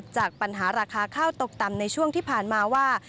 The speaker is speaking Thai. จากปัญหาราคาข้าวตกต่ำในช่วงที่ผ่านมาว่า